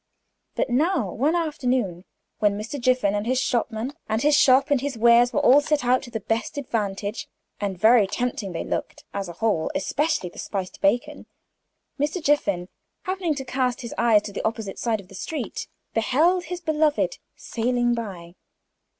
But now, one afternoon, when Mr. Jiffin and his shopman, and his shop, and his wares, were all set out to the best advantage and very tempting they looked, as a whole, especially the spiced bacon Mr. Jiffin happening to cast his eyes to the opposite side of the street, beheld his beloved sailing by.